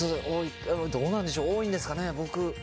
どうなんでしょう多いんですかね。